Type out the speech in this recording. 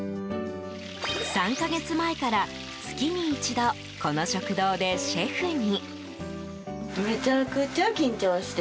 ３か月前から、月に一度この食堂でシェフに。